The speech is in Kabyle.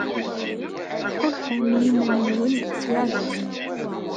Tḥulfam i yiman-nwen tettwaɛezlem.